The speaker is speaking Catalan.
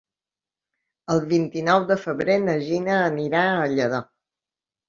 El vint-i-nou de febrer na Gina anirà a Lladó.